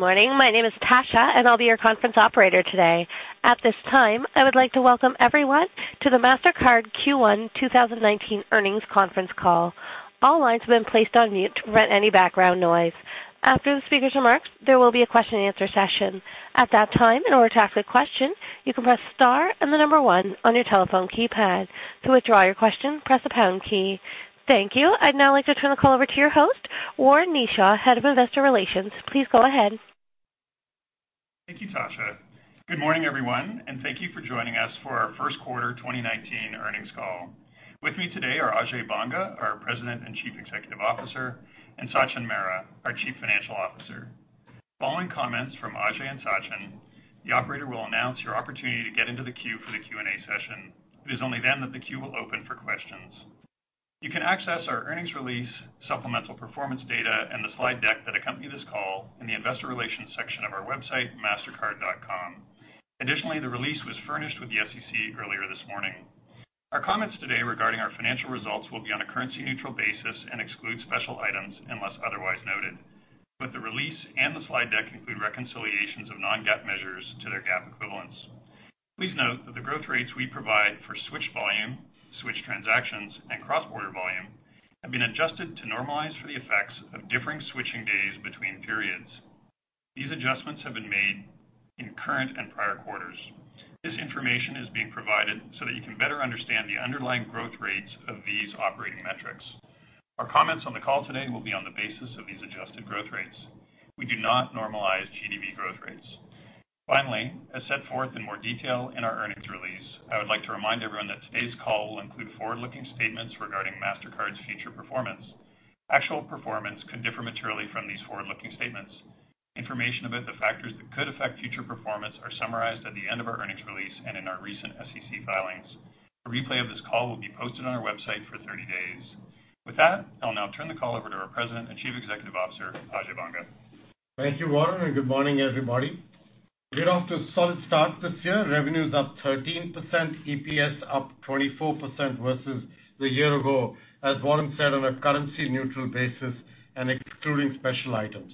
Morning. My name is Tasha, and I'll be your conference operator today. At this time, I would like to welcome everyone to the Mastercard Q1 2019 Earnings Conference Call. All lines have been placed on mute to prevent any background noise. After the speaker's remarks, there will be a question and answer session. At that time, in order to ask a question, you can press star and the number one on your telephone keypad. To withdraw your question, press the pound key. Thank you. I'd now like to turn the call over to your host, Warren Kneeshaw, Head of Investor Relations. Please go ahead. Thank you, Tasha. Good morning, everyone, and thank you for joining us for our first quarter 2019 earnings call. With me today are Ajay Banga, our President and Chief Executive Officer; and Sachin Mehra, our Chief Financial Officer. Following comments from Ajay and Sachin, the operator will announce your opportunity to get into the queue for the Q&A session. It is only then that the queue will open for questions. You can access our earnings release, supplemental performance data, and the slide deck that accompany this call in the investor relations section of our website, mastercard.com. Additionally, the release was furnished with the SEC earlier this morning. Our comments today regarding our financial results will be on a currency-neutral basis and exclude special items unless otherwise noted. Both the release and the slide deck include reconciliations of non-GAAP measures to their GAAP equivalents. Please note that the growth rates we provide for switched volume, switched transactions, and cross-border volume have been adjusted to normalize for the effects of differing switching days between periods. These adjustments have been made in current and prior quarters. This information is being provided so that you can better understand the underlying growth rates of these operating metrics. Our comments on the call today will be on the basis of these adjusted growth rates. We do not normalize GDV growth rates. Finally, as set forth in more detail in our earnings release, I would like to remind everyone that today's call will include forward-looking statements regarding Mastercard's future performance. Actual performance could differ materially from these forward-looking statements. Information about the factors that could affect future performance are summarized at the end of our earnings release and in our recent SEC filings. A replay of this call will be posted on our website for 30 days. With that, I'll now turn the call over to our President and Chief Executive Officer, Ajay Banga. Thank you, Warren, and good morning, everybody. We're off to a solid start this year. Revenue is up 13%, EPS up 24% versus the year ago, as Warren said, on a currency-neutral basis and excluding special items.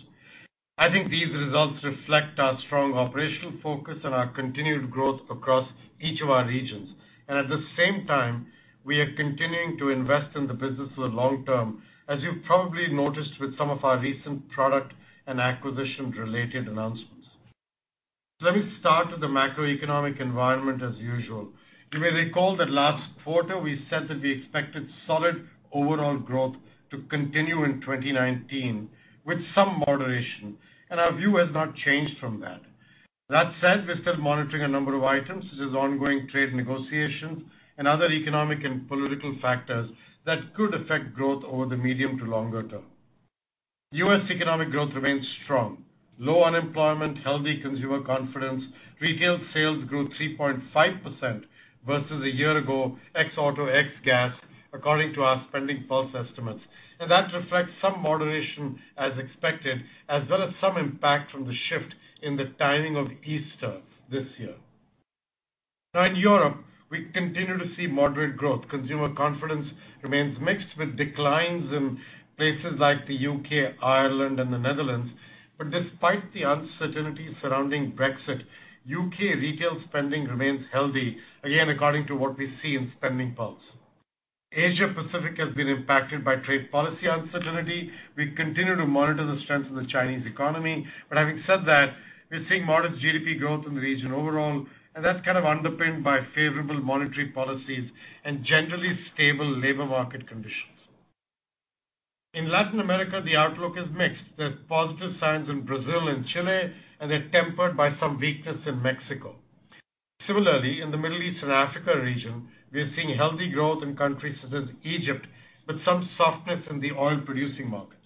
I think these results reflect our strong operational focus and our continued growth across each of our regions. At the same time, we are continuing to invest in the business for the long term, as you've probably noticed with some of our recent product and acquisition-related announcements. Let me start with the macroeconomic environment as usual. You may recall that last quarter we said that we expected solid overall growth to continue in 2019 with some moderation, and our view has not changed from that. That said, we're still monitoring a number of items, such as ongoing trade negotiations and other economic and political factors that could affect growth over the medium to longer term. U.S. economic growth remains strong. Low unemployment, healthy consumer confidence. Retail sales grew 3.5% versus a year ago, ex auto, ex-gas, according to our SpendingPulse estimates. That reflects some moderation as expected, as well as some impact from the shift in the timing of Easter this year. Now in Europe, we continue to see moderate growth. Consumer confidence remains mixed with declines in places like the U.K., Ireland, and the Netherlands. Despite the uncertainty surrounding Brexit, U.K. retail spending remains healthy, again, according to what we see in SpendingPulse. Asia Pacific has been impacted by trade policy uncertainty. We continue to monitor the strength of the Chinese economy. Having said that, we're seeing modest GDP growth in the region overall, and that's kind of underpinned by favorable monetary policies and generally stable labor market conditions. In Latin America, the outlook is mixed. There's positive signs in Brazil and Chile, and they're tempered by some weakness in Mexico. Similarly, in the Middle East and Africa region, we are seeing healthy growth in countries such as Egypt, but some softness in the oil-producing markets.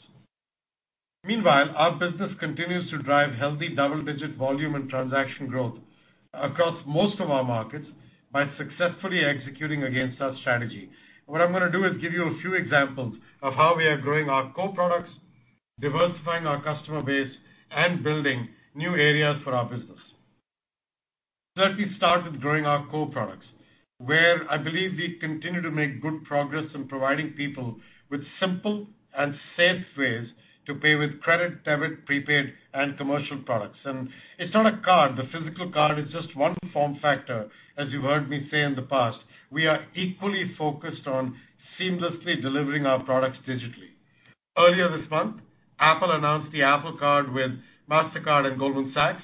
Meanwhile, our business continues to drive healthy double-digit volume and transaction growth across most of our markets by successfully executing against our strategy. What I'm going to do is give you a few examples of how we are growing our core products, diversifying our customer base, and building new areas for our business. Let me start with growing our core products, where I believe we continue to make good progress in providing people with simple and safe ways to pay with credit, debit, prepaid, and commercial products. It's not a card. The physical card is just one form factor, as you've heard me say in the past. We are equally focused on seamlessly delivering our products digitally. Earlier this month, Apple announced the Apple Card with Mastercard and Goldman Sachs.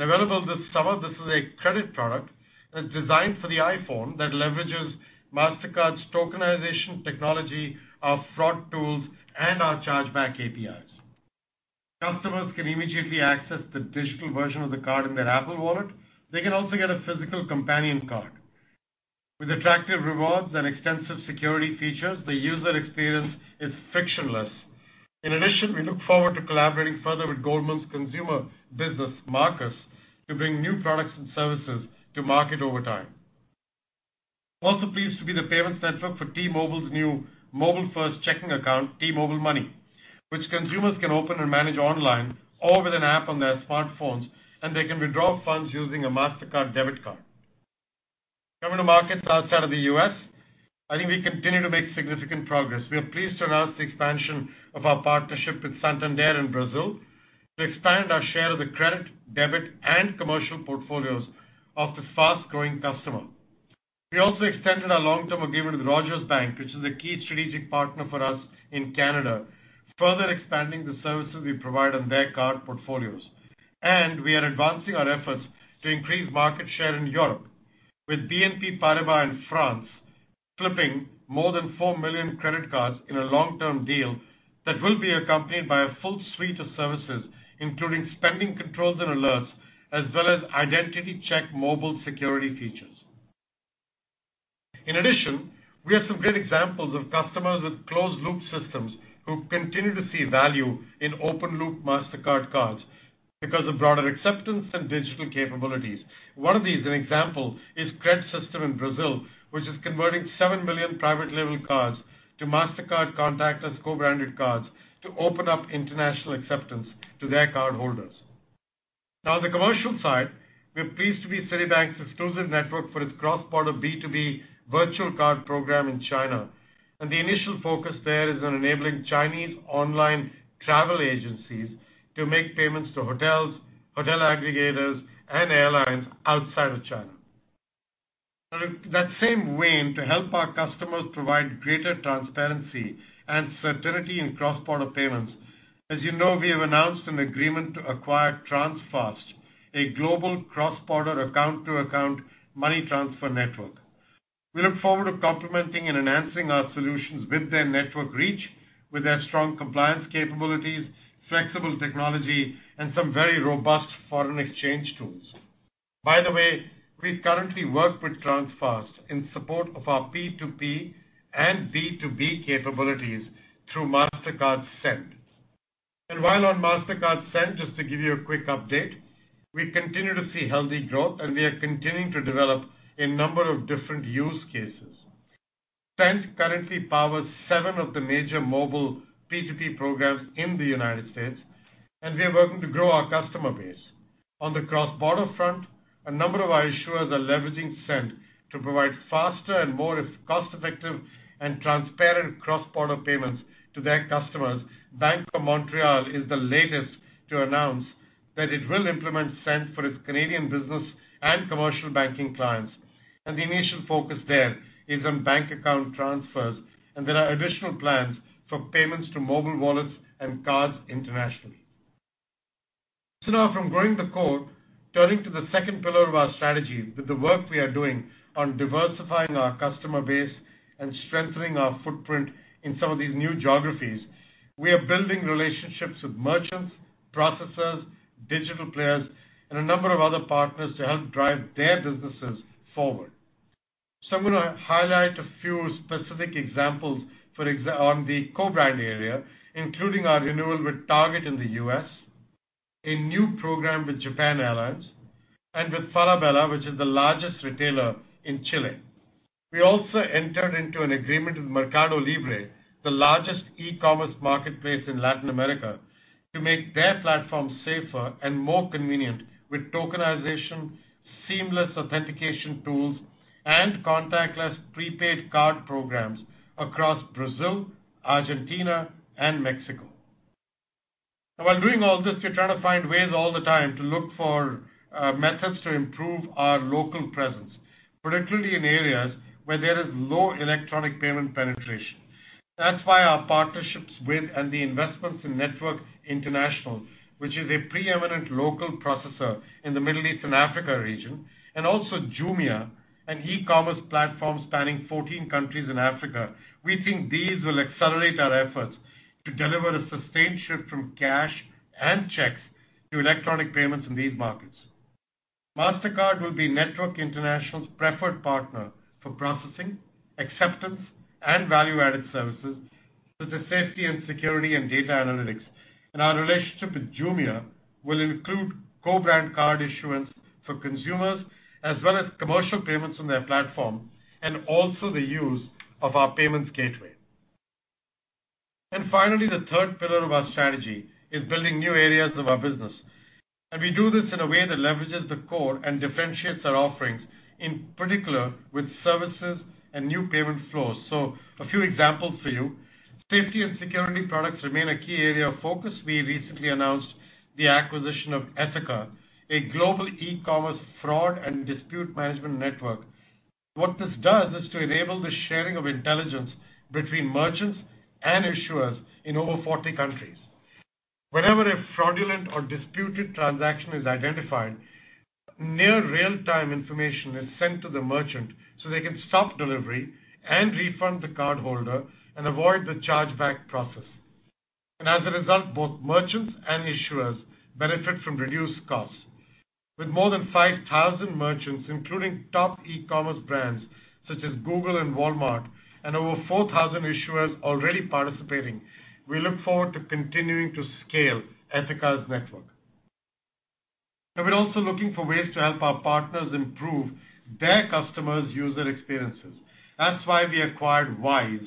Available this summer, this is a credit product that's designed for the iPhone that leverages Mastercard's tokenization technology, our fraud tools, and our chargeback APIs. Customers can immediately access the digital version of the card in their Apple Wallet. They can also get a physical companion card. With attractive rewards and extensive security features, the user experience is frictionless. In addition, we look forward to collaborating further with Goldman Sachs's consumer business, Marcus, to bring new products and services to market over time. Also pleased to be the payments network for T-Mobile's new mobile-first checking account, T-Mobile MONEY, which consumers can open and manage online or with an app on their smartphones, and they can withdraw funds using a Mastercard debit card. Government markets outside of the U.S., I think we continue to make significant progress. We are pleased to announce the expansion of our partnership with Santander in Brazil to expand our share of the credit, debit, and commercial portfolios of the fast-growing customer. We also extended our long-term agreement with Rogers Bank, which is a key strategic partner for us in Canada, further expanding the services we provide on their card portfolios. We are advancing our efforts to increase market share in Europe with BNP Paribas in France, clipping more than 4 million credit cards in a long-term deal that will be accompanied by a full suite of services, including spending controls and alerts, as well as identity check mobile security features. In addition, we have some great examples of customers with closed-loop systems who continue to see value in open-loop Mastercard cards because of broader acceptance and digital capabilities. One of these, an example, is Cred-System in Brazil, which is converting 7 million private label cards to Mastercard contactless co-branded cards to open up international acceptance to their cardholders. On the commercial side, we are pleased to be Citibank's exclusive network for its cross-border B2B virtual card program in China, and the initial focus there is on enabling Chinese online travel agencies to make payments to hotels, hotel aggregators, and airlines outside of China. That same vein, to help our customers provide greater transparency and certainty in cross-border payments, as you know, we have announced an agreement to acquire Transfast, a global cross-border account-to-account money transfer network. We look forward to complementing and enhancing our solutions with their network reach, with their strong compliance capabilities, flexible technology, and some very robust foreign exchange tools. By the way, we currently work with Transfast in support of our P2P and B2B capabilities through Mastercard Send. While on Mastercard Send, just to give you a quick update, we continue to see healthy growth, and we are continuing to develop a number of different use cases. Send currently powers seven of the major mobile P2P programs in the United States, and we are working to grow our customer base. On the cross-border front, a number of our issuers are leveraging Send to provide faster and more cost-effective and transparent cross-border payments to their customers. Bank of Montreal is the latest to announce that it will implement Send for its Canadian business and commercial banking clients, and the initial focus there is on bank account transfers, and there are additional plans for payments to mobile wallets and cards internationally. Now from growing the core, turning to the second pillar of our strategy with the work we are doing on diversifying our customer base and strengthening our footprint in some of these new geographies. We are building relationships with merchants, processors, digital players, and a number of other partners to help drive their businesses forward. I'm going to highlight a few specific examples on the co-brand area, including our renewal with Target in the U.S., a new program with Japan Airlines, and with Falabella, which is the largest retailer in Chile. We also entered into an agreement with Mercado Libre, the largest e-commerce marketplace in Latin America, to make their platform safer and more convenient with tokenization, seamless authentication tools, and contactless prepaid card programs across Brazil, Argentina, and Mexico. While doing all this, we're trying to find ways all the time to look for methods to improve our local presence, particularly in areas where there is low electronic payment penetration. That's why our partnerships with, and the investments in, Network International, which is a preeminent local processor in the Middle East and Africa region, and also Jumia, an e-commerce platform spanning 14 countries in Africa. We think these will accelerate our efforts to deliver a sustained shift from cash and checks to electronic payments in these markets. Mastercard will be Network International's preferred partner for processing, acceptance, and value-added services such as safety and security and data analytics. Our relationship with Jumia will include co-brand card issuance for consumers as well as commercial payments on their platform, and also the use of our payments gateway. Finally, the third pillar of our strategy is building new areas of our business. We do this in a way that leverages the core and differentiates our offerings, in particular with services and new payment flows. A few examples for you. Safety and security products remain a key area of focus. We recently announced the acquisition of Ethoca, a global e-commerce fraud and dispute management network. What this does is to enable the sharing of intelligence between merchants and issuers in over 40 countries. Whenever a fraudulent or disputed transaction is identified, near real-time information is sent to the merchant so they can stop delivery and refund the cardholder and avoid the chargeback process. As a result, both merchants and issuers benefit from reduced costs. With more than 5,000 merchants, including top e-commerce brands such as Google and Walmart, and over 4,000 issuers already participating, we look forward to continuing to scale Ethoca's network. We're also looking for ways to help our partners improve their customers' user experiences. That's why we acquired Vyze,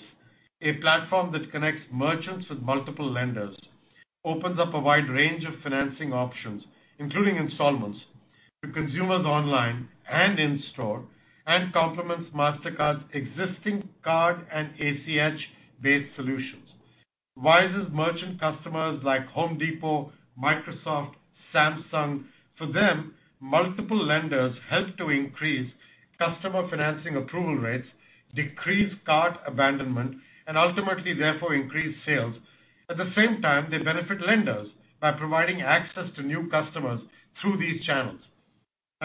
a platform that connects merchants with multiple lenders. It opens up a wide range of financing options, including installments to consumers online and in-store, and complements Mastercard's existing card and ACH-based solutions. Vyze's merchant customers like The Home Depot, Microsoft, Samsung, for them, multiple lenders help to increase customer financing approval rates, decrease cart abandonment, and ultimately therefore increase sales. At the same time, they benefit lenders by providing access to new customers through these channels.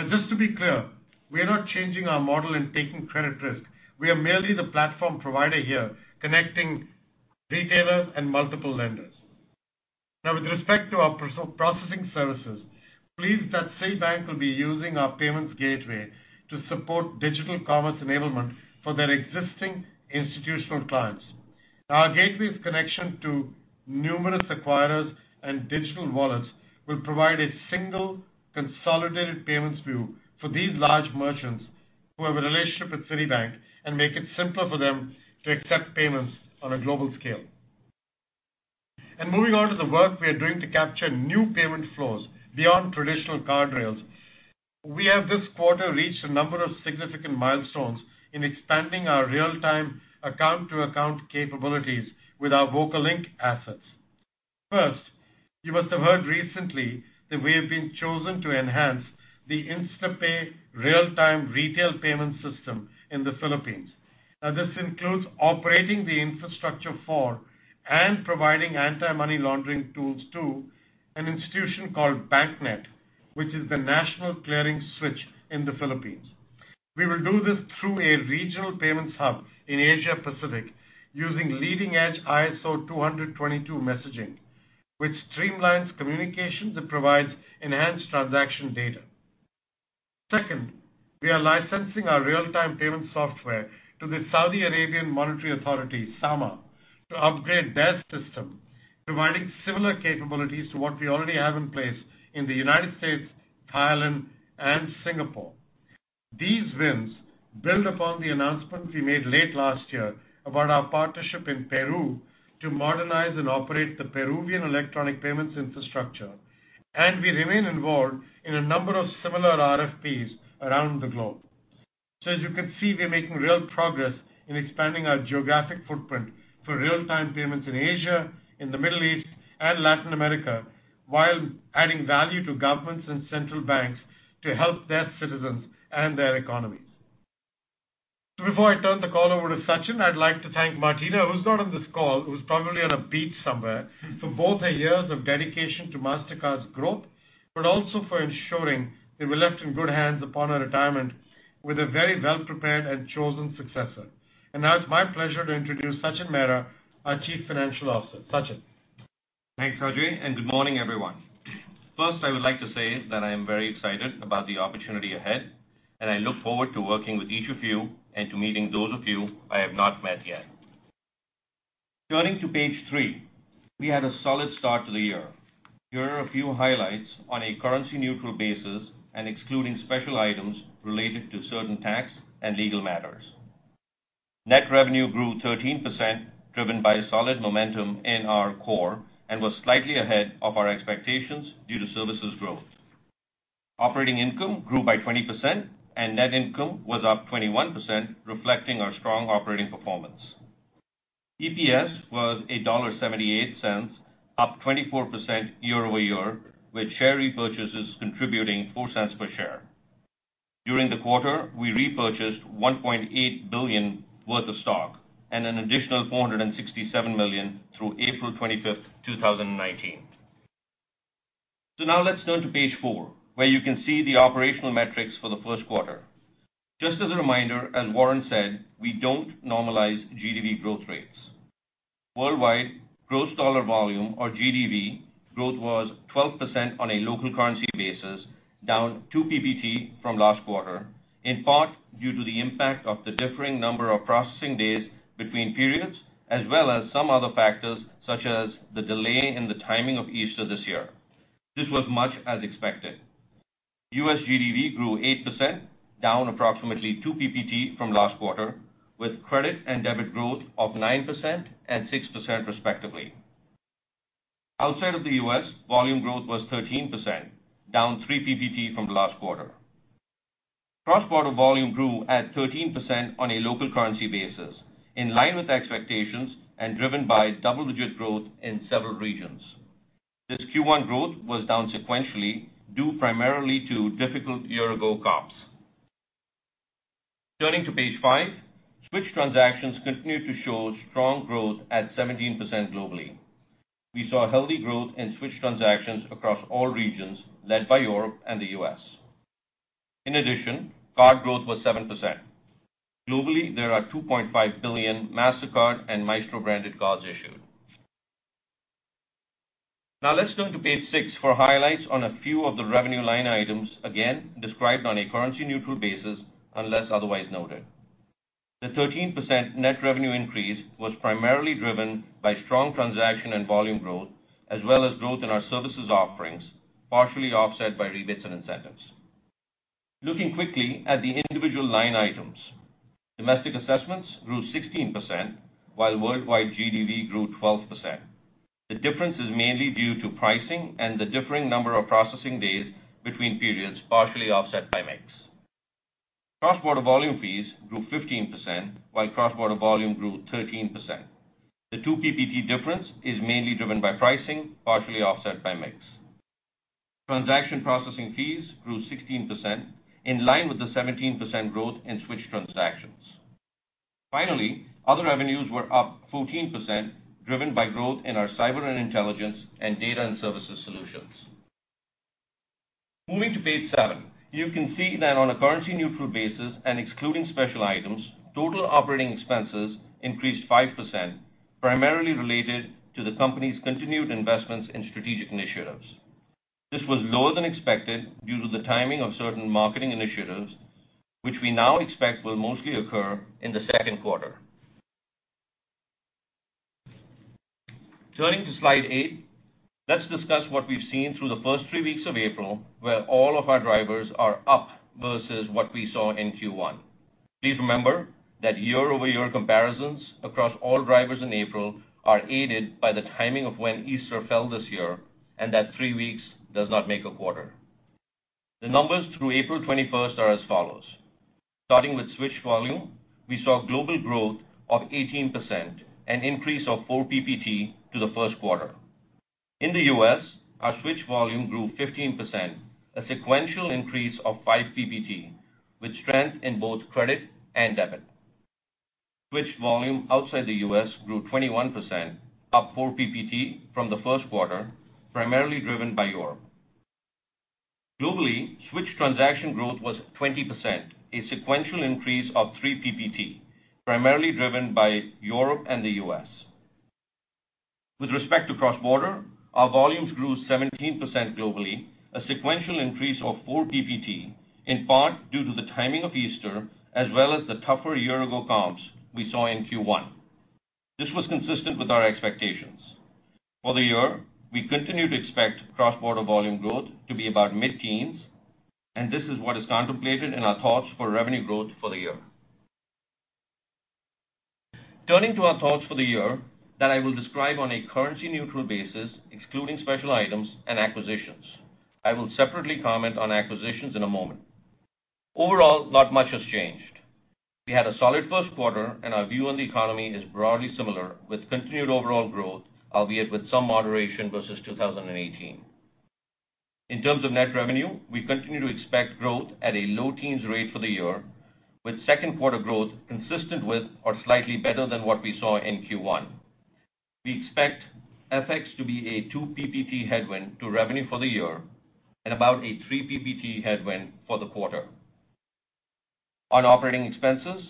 Just to be clear, we are not changing our model and taking credit risk. We are merely the platform provider here, connecting retailers and multiple lenders. With respect to our processing services, pleased that Citibank will be using our payments gateway to support digital commerce enablement for their existing institutional clients. Our gateway's connection to numerous acquirers and digital wallets will provide a single consolidated payments view for these large merchants who have a relationship with Citibank and make it simpler for them to accept payments on a global scale. Moving on to the work we are doing to capture new payment flows beyond traditional card rails. We have this quarter reached a number of significant milestones in expanding our real-time account-to-account capabilities with our VocaLink assets. First, you must have heard recently that we have been chosen to enhance the InstaPay real-time retail payment system in the Philippines. This includes operating the infrastructure for and providing anti-money laundering tools to an institution called BancNet, which is the national clearing switch in the Philippines. We will do this through a regional payments hub in Asia Pacific using leading-edge ISO 20022 messaging, which streamlines communications and provides enhanced transaction data. Second, we are licensing our real-time payment software to the Saudi Arabian Monetary Authority, SAMA, to upgrade their system, providing similar capabilities to what we already have in place in the U.S., Thailand, and Singapore. These wins build upon the announcements we made late last year about our partnership in Peru to modernize and operate the Peruvian electronic payments infrastructure. We remain involved in a number of similar RFPs around the globe. As you can see, we're making real progress in expanding our geographic footprint for real-time payments in Asia, in the Middle East, and Latin America, while adding value to governments and central banks to help their citizens and their economies. Before I turn the call over to Sachin, I'd like to thank Martina, who's not on this call, who's probably on a beach somewhere, for both her years of dedication to Mastercard's growth, but also for ensuring that we're left in good hands upon her retirement with a very well-prepared and chosen successor. Now it's my pleasure to introduce Sachin Mehra, our Chief Financial Officer. Sachin. Thanks, Ajay. Good morning, everyone. First, I would like to say that I am very excited about the opportunity ahead. I look forward to working with each of you and to meeting those of you I have not met yet. Turning to page three, we had a solid start to the year. Here are a few highlights on a currency-neutral basis and excluding special items related to certain tax and legal matters. Net revenue grew 13%, driven by solid momentum in our core and was slightly ahead of our expectations due to services growth. Operating income grew by 20% and net income was up 21%, reflecting our strong operating performance. EPS was $1.78, up 24% year-over-year, with share repurchases contributing $0.04 per share. During the quarter, we repurchased $1.8 billion worth of stock and an additional $467 million through April 25th, 2019. Now let's turn to page four, where you can see the operational metrics for the first quarter. Just as a reminder, as Warren said, we don't normalize GDV growth rates. Worldwide gross dollar volume or GDV growth was 12% on a local currency basis, down 2 PPT from last quarter, in part due to the impact of the differing number of processing days between periods as well as some other factors such as the delay in the timing of Easter this year. This was much as expected. U.S. GDV grew 8%, down approximately 2 PPT from last quarter, with credit and debit growth of 9% and 6% respectively. Outside of the U.S., volume growth was 13%, down 3 PPT from last quarter. Cross-border volume grew at 13% on a local currency basis, in line with expectations and driven by double-digit growth in several regions. This Q1 growth was down sequentially, due primarily to difficult year-ago comps. Turning to page five, switch transactions continued to show strong growth at 17% globally. We saw healthy growth in switch transactions across all regions, led by Europe and the U.S. In addition, card growth was 7%. Globally, there are 2.5 billion Mastercard and Maestro-branded cards issued. Now let's turn to page six for highlights on a few of the revenue line items, again described on a currency-neutral basis unless otherwise noted. The 13% net revenue increase was primarily driven by strong transaction and volume growth, as well as growth in our services offerings, partially offset by rebates and incentives. Looking quickly at the individual line items. Domestic assessments grew 16%, while worldwide GDV grew 12%. The difference is mainly due to pricing and the differing number of processing days between periods, partially offset by mix. Cross-border volume fees grew 15%, while cross-border volume grew 13%. The 2 PPT difference is mainly driven by pricing, partially offset by mix. Transaction processing fees grew 16%, in line with the 17% growth in switch transactions. Finally, other revenues were up 14%, driven by growth in our Cyber & Intelligence and Data & Services solutions. Moving to page seven. You can see that on a currency-neutral basis and excluding special items, total operating expenses increased 5%, primarily related to the company's continued investments in strategic initiatives. This was lower than expected due to the timing of certain marketing initiatives, which we now expect will mostly occur in the second quarter. Turning to slide eight, let's discuss what we've seen through the first three weeks of April, where all of our drivers are up versus what we saw in Q1. Please remember that year-over-year comparisons across all drivers in April are aided by the timing of when Easter fell this year, and that three weeks does not make a quarter. The numbers through April 21st are as follows. Starting with switch volume, we saw global growth of 18%, an increase of 4 PPT to the first quarter. In the U.S., our switch volume grew 15%, a sequential increase of 5 PPT, with strength in both credit and debit. Switch volume outside the U.S. grew 21%, up 4 PPT from the first quarter, primarily driven by Europe. Globally, switch transaction growth was 20%, a sequential increase of 3 PPT, primarily driven by Europe and the U.S. With respect to cross-border, our volumes grew 17% globally, a sequential increase of 4 PPT, in part due to the timing of Easter as well as the tougher year-ago comps we saw in Q1. This was consistent with our expectations. For the year, we continue to expect cross-border volume growth to be about mid-teens, and this is what is contemplated in our thoughts for revenue growth for the year. Turning to our thoughts for the year that I will describe on a currency-neutral basis, excluding special items and acquisitions. I will separately comment on acquisitions in a moment. Overall, not much has changed. We had a solid first quarter and our view on the economy is broadly similar, with continued overall growth, albeit with some moderation versus 2018. In terms of net revenue, we continue to expect growth at a low teens rate for the year, with second quarter growth consistent with or slightly better than what we saw in Q1. We expect FX to be a two percentage point headwind to revenue for the year and about a three percentage point headwind for the quarter. On operating expenses,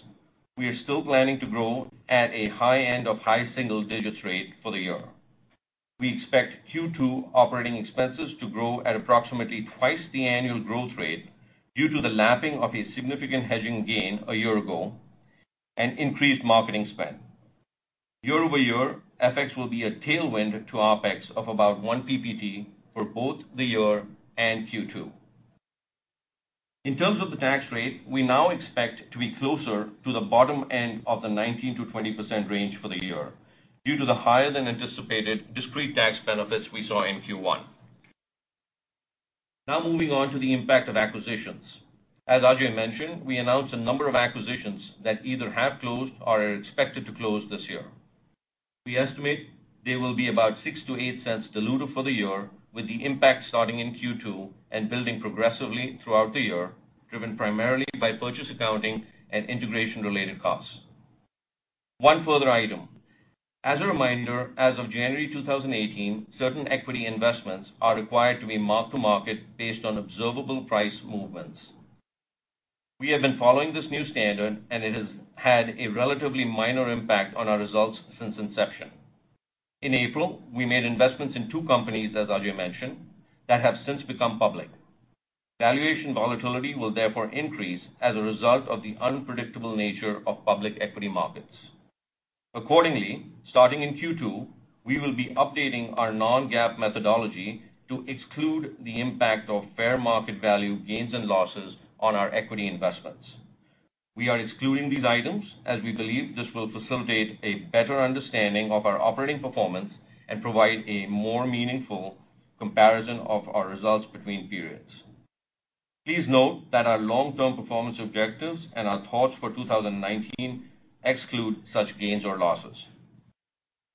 we are still planning to grow at a high end of high single digits rate for the year. We expect Q2 operating expenses to grow at approximately twice the annual growth rate due to the lapping of a significant hedging gain a year ago and increased marketing spend. Year-over-year, FX will be a tailwind to OpEx of about one percentage point for both the year and Q2. In terms of the tax rate, we now expect to be closer to the bottom end of the 19%-20% range for the year due to the higher than anticipated discrete tax benefits we saw in Q1. Now moving on to the impact of acquisitions. As Ajay mentioned, we announced a number of acquisitions that either have closed or are expected to close this year. We estimate they will be about $0.06-$0.08 dilutive for the year, with the impact starting in Q2 and building progressively throughout the year, driven primarily by purchase accounting and integration-related costs. One further item. As a reminder, as of January 2018, certain equity investments are required to be mark-to-market based on observable price movements. We have been following this new standard, and it has had a relatively minor impact on our results since inception. In April, we made investments in two companies, as Ajay mentioned, that have since become public. Valuation volatility will therefore increase as a result of the unpredictable nature of public equity markets. Accordingly, starting in Q2, we will be updating our non-GAAP methodology to exclude the impact of fair market value gains and losses on our equity investments. We are excluding these items as we believe this will facilitate a better understanding of our operating performance and provide a more meaningful comparison of our results between periods. Please note that our long-term performance objectives and our thoughts for 2019 exclude such gains or losses.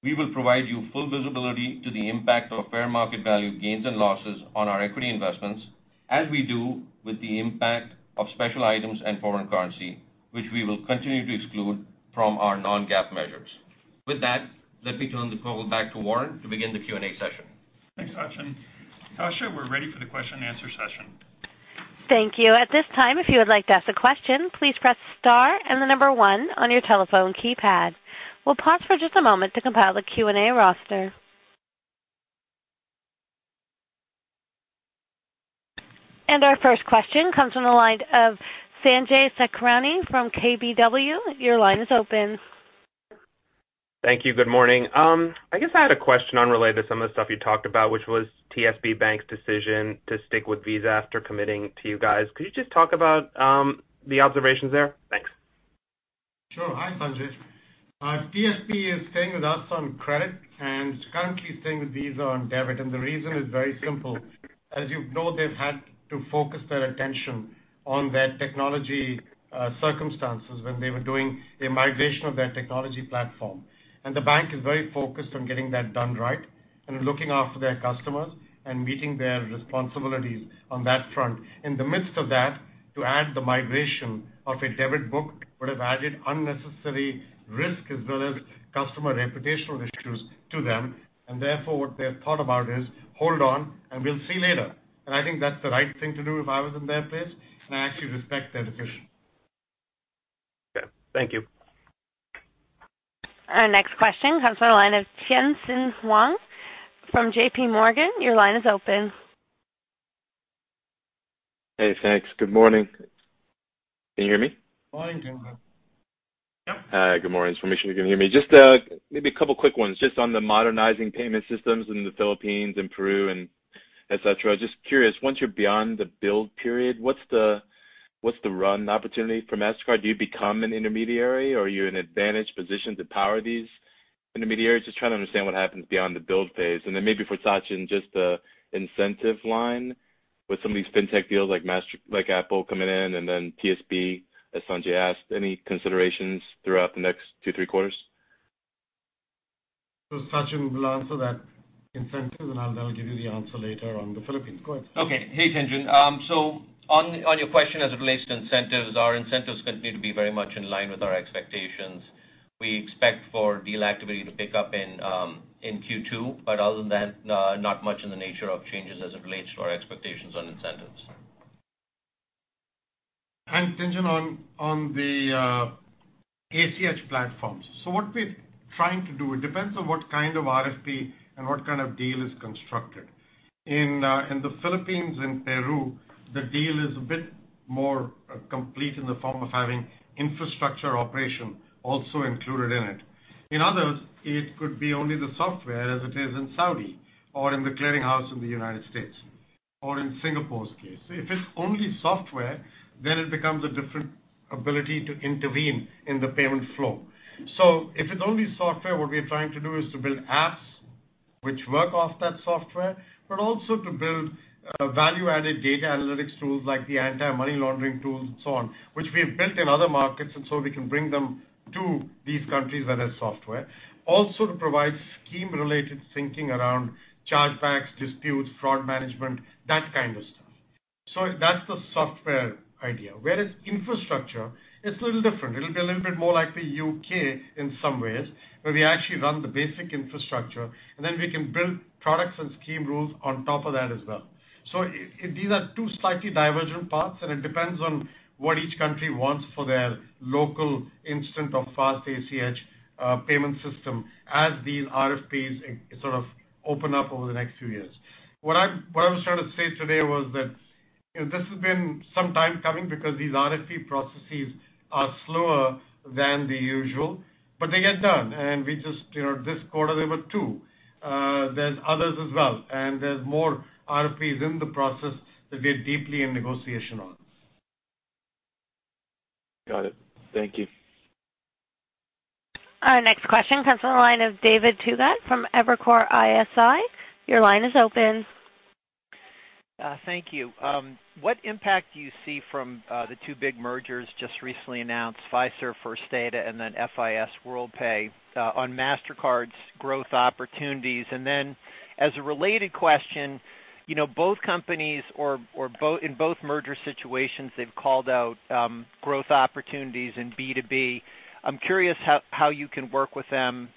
We will provide you full visibility to the impact of fair market value gains and losses on our equity investments, as we do with the impact of special items and foreign currency, which we will continue to exclude from our non-GAAP measures. With that, let me turn the call back to Warren to begin the Q&A session. Thanks, Sachin. Operator, we're ready for the question and answer session. Thank you. At this time, if you would like to ask a question, please press star and the number one on your telephone keypad. We'll pause for just a moment to compile the Q&A roster. Our first question comes from the line of Sanjay Sakhrani from KBW. Your line is open. Thank you. Good morning. I guess I had a question unrelated to some of the stuff you talked about, which was TSB Bank's decision to stick with Visa after committing to you guys. Could you just talk about the observations there? Thanks. Sure. Hi, Sanjay. TSB is staying with us on credit and currently staying with Visa on debit. The reason is very simple. As you know, they've had to focus their attention on their technology circumstances when they were doing their migration of their technology platform. The bank is very focused on getting that done right and looking after their customers and meeting their responsibilities on that front. In the midst of that, to add the migration of a debit book would have added unnecessary risk as well as customer reputational issues to them, therefore what they have thought about is hold on and we'll see later. I think that's the right thing to do if I was in their place, and I actually respect their decision. Okay. Thank you. Our next question comes from the line of Tien-tsin Huang from JPMorgan, your line is open. Hey, thanks. Good morning. Can you hear me? Morning. Yeah. Hi, good morning. Just to make sure you can hear me. Just maybe a couple of quick ones. Just on the modernizing payment systems in the Philippines and Peru, et cetera. Just curious, once you're beyond the build period, what's the run opportunity for Mastercard? Do you become an intermediary or are you in an advantaged position to power these intermediaries? Just trying to understand what happens beyond the build phase. Then maybe for Sachin, just the incentive line with some of these fintech deals like Apple coming in and then TSB, as Sanjay asked, any considerations throughout the next two, three quarters? Sachin will answer that incentive, and I'll give you the answer later on the Philippines. Go ahead. Okay. Hey, Tien-tsin. On your question as it relates to incentives, our incentives continue to be very much in line with our expectations. We expect for deal activity to pick up in Q2, but other than that, not much in the nature of changes as it relates to our expectations on incentives. Tien-tsin on the ACH platforms. What we're trying to do, it depends on what kind of RFP and what kind of deal is constructed. In the Philippines and Peru, the deal is a bit more complete in the form of having infrastructure operation also included in it. In others, it could be only the software as it is in Saudi or in the clearing house in the U.S. or in Singapore's case. If it's only software, what we're trying to do is to build apps which work off that software, but also to build value-added data analytics tools like the anti-money laundering tools and so on, which we have built in other markets, and so we can bring them to these countries that have software. To provide scheme-related thinking around chargebacks, disputes, fraud management, that kind of stuff. That's the software idea. Whereas infrastructure, it's a little different. It'll be a little bit more like the U.K. in some ways, where we actually run the basic infrastructure, and then we can build products and scheme rules on top of that as well. These are two slightly divergent paths, and it depends on what each country wants for their local instant or fast ACH payment system as these RFPs sort of open up over the next few years. What I was trying to say today was that this has been some time coming because these RFP processes are slower than the usual, but they get done. We just, this quarter there were two. There's others as well, and there's more RFPs in the process that we're deeply in negotiation on. Got it. Thank you. Our next question comes from the line of David Togut from Evercore ISI. Your line is open. Thank you. What impact do you see from the two big mergers just recently announced, Fiserv-First Data and then FIS-Worldpay, on Mastercard's growth opportunities? Then as a related question, both companies or in both merger situations, they've called out growth opportunities in B2B. I'm curious how you can work with them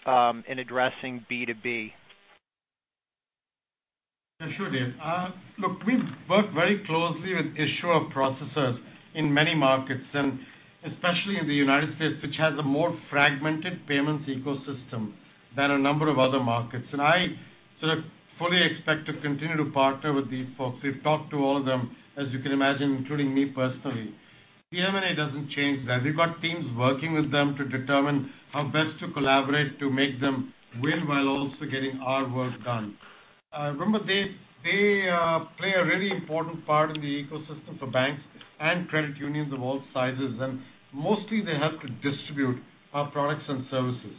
in addressing B2B. Yeah, sure, David. Look, we've worked very closely with issuer processors in many markets and especially in the U.S., which has a more fragmented payments ecosystem than a number of other markets. I sort of fully expect to continue to partner with these folks. We've talked to all of them, as you can imagine, including me personally. The M&A doesn't change that. We've got teams working with them to determine how best to collaborate to make them win while also getting our work done. Remember, they play a really important part in the ecosystem for banks and credit unions of all sizes, and mostly they help to distribute our products and services.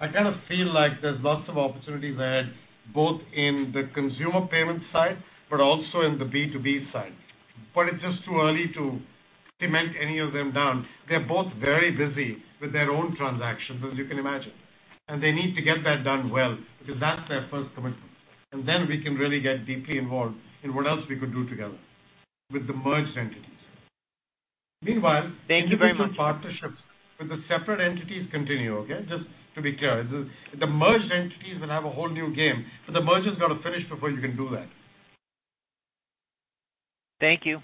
I kind of feel like there's lots of opportunity there, both in the consumer payment side, but also in the B2B side. It's just too early to cement any of them down. They're both very busy with their own transactions, as you can imagine. They need to get that done well because that's their first commitment. Then we can really get deeply involved in what else we could do together with the merged entities. Thank you very much individual partnerships with the separate entities continue. Okay? Just to be clear. The merged entities will have a whole new game, the merger's got to finish before you can do that. Thank you.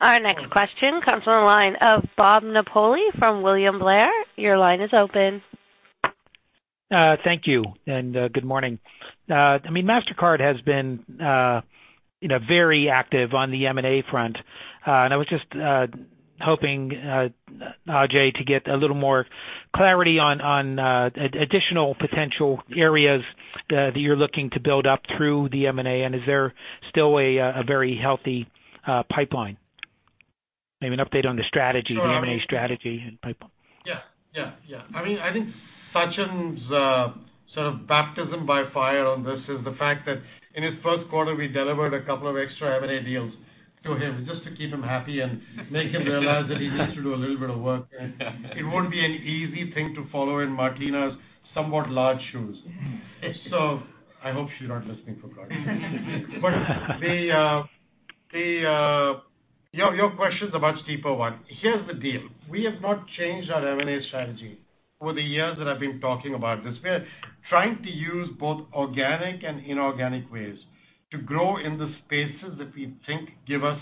Our next question comes from the line of Robert Napoli from William Blair. Your line is open. Thank you. Good morning. Mastercard has been very active on the M&A front. I was just hoping, Ajay, to get a little more clarity on additional potential areas that you're looking to build up through the M&A. Is there still a very healthy pipeline? Maybe an update on the M&A strategy and pipeline. Yeah. I think Sachin's baptism by fire on this is the fact that in his first quarter, we delivered a couple of extra M&A deals to him just to keep him happy and make him realize that he needs to do a little bit of work. It won't be an easy thing to follow in Martina's somewhat large shoes. I hope she's not listening, for God's sake. Your question's a much deeper one. Here's the deal. We have not changed our M&A strategy over the years that I've been talking about this. We're trying to use both organic and inorganic ways to grow in the spaces that we think give us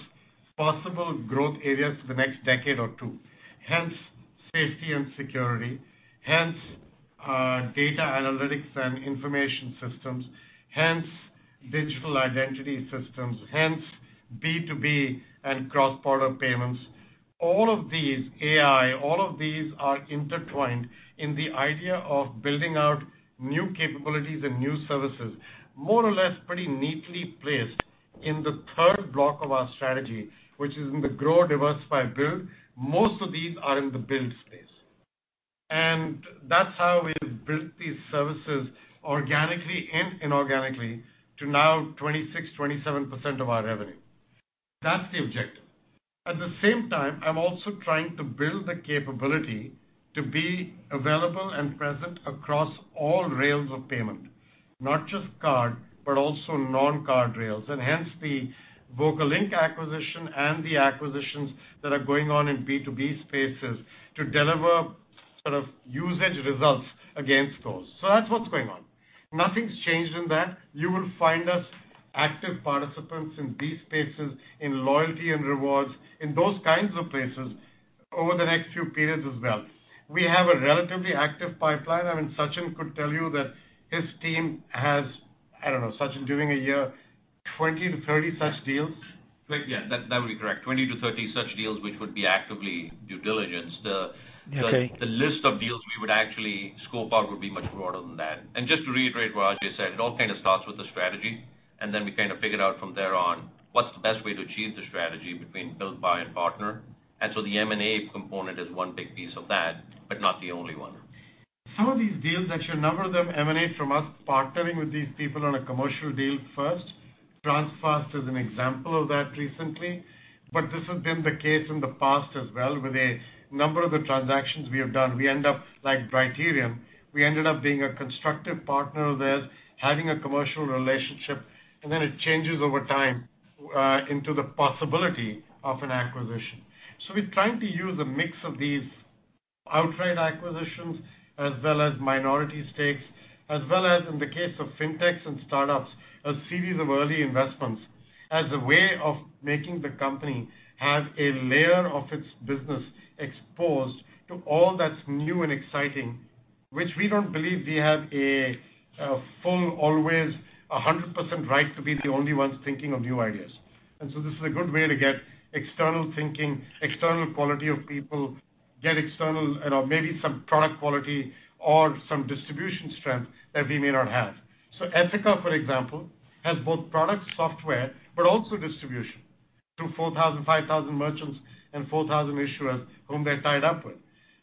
possible growth areas for the next decade or two. Hence, safety and security. Hence, data analytics and information systems. Hence, digital identity systems. Hence, B2B and cross-border payments. All of these, AI, all of these are intertwined in the idea of building out new capabilities and new services, more or less pretty neatly placed in the third block of our strategy, which is in the grow, diversify, build. Most of these are in the build space. That's how we've built these services organically and inorganically to now 26%, 27% of our revenue. That's the objective. At the same time, I'm also trying to build the capability to be available and present across all rails of payment, not just card, but also non-card rails, and hence the VocaLink acquisition and the acquisitions that are going on in B2B spaces to deliver usage results against those. That's what's going on. Nothing's changed in that. You will find us active participants in these spaces, in loyalty and rewards, in those kinds of places over the next few periods as well. We have a relatively active pipeline. Sachin could tell you that his team has, I don't know, Sachin, during a year, 20-30 such deals? Yeah. That would be correct, 20-30 such deals which would be actively due diligence. Okay. The list of deals we would actually scope out would be much broader than that. Just to reiterate what Ajay said, it all starts with the strategy, then we figure out from there on what's the best way to achieve the strategy between build, buy, and partner. The M&A component is one big piece of that, but not the only one. Some of these deals, actually a number of them, emanate from us partnering with these people on a commercial deal first. Transfast is an example of that recently, but this has been the case in the past as well with a number of the transactions we have done. Like Criterion, we ended up being a constructive partner of theirs, having a commercial relationship, and then it changes over time into the possibility of an acquisition. We're trying to use a mix of these outright acquisitions as well as minority stakes, as well as in the case of fintechs and startups, a series of early investments as a way of making the company have a layer of its business exposed to all that's new and exciting, which we don't believe we have a full, always 100% right to be the only ones thinking of new ideas. This is a good way to get external thinking, external quality of people, get external, maybe some product quality or some distribution strength that we may not have. Ethoca, for example, has both product software but also distribution through 4,000, 5,000 merchants and 4,000 issuers whom they're tied up with.